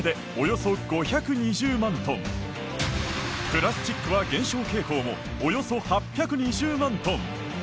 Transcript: プラスチックは減少傾向もおよそ８２０万トン。